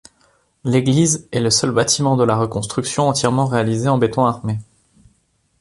L'église est le seul bâtiment de la reconstruction entièrement réalisé en béton armé.